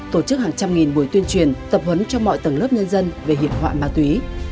tổ chức hàng trăm nghìn buổi tuyên truyền tập huấn cho mọi tầng lớp nhân dân về hiểm họa ma túy